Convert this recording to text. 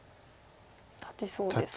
たちそうですか？